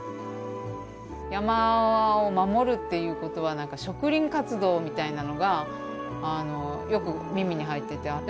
「山を守るっていうことは植林活動」みたいなのがよく耳に入ってて。